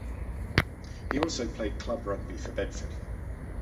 He also played club rugby for Bedford.